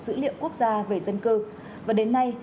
dữ liệu quốc gia về dân cư và đến nay